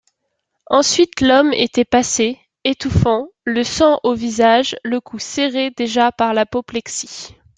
Ensuite Lhomme était passé, étouffant, le sang au visage, le cou serré déjà par l'apoplexie.